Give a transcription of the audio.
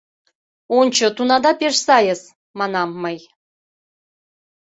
— Ончо, тунада пеш сайыс, — манам мый.